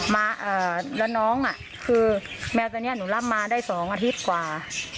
แล้วน้องคือแมวตัวเนี่ยหนุนร่ำมาได้๒อาทิตย์กว่า